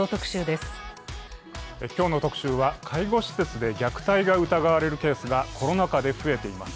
今日の特集は介護施設で虐待が疑われるケースがコロナ禍で増えています。